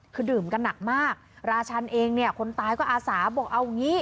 คือดื่มกันหนักมากราชันเองเนี่ยคนตายก็อาสาบอกเอาอย่างนี้